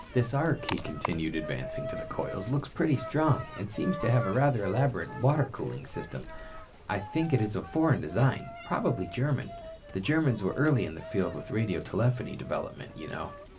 "This arc," he continued, advancing to the coils, "looks pretty strong and seems to have a rather elaborate water cooling system. I think it is of foreign design, probably German. The Germans were early in the field with radio telephony development, you know."